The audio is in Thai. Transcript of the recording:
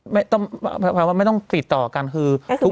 แผนว่าไม่ต้องติดต่อกันคือ